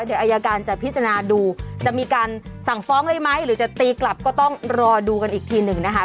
เดี๋ยวอายการจะพิจารณาดูจะมีการสั่งฟ้องเลยไหมหรือจะตีกลับก็ต้องรอดูกันอีกทีหนึ่งนะคะ